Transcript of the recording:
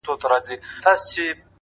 نه بابا خبر نه يم’ ستا په خيالورې لور’